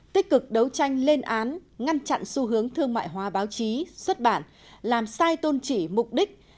tích cực đấu tranh lên án ngăn chặn xu hướng thương mại hóa báo chí xuất bản làm sai tôn chỉ mục đích